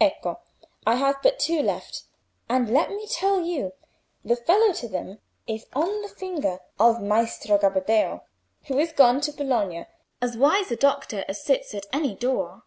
Ecco! I have but two left; and let me tell you, the fellow to them is on the finger of Maestro Gabbadeo, who is gone to Bologna—as wise a doctor as sits at any door."